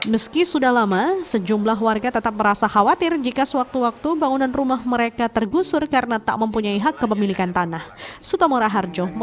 meski sudah lama sejumlah warga tetap merasa khawatir jika sewaktu waktu bangunan rumah mereka tergusur karena tak mempunyai hak kepemilikan tanah